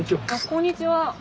こんにちは。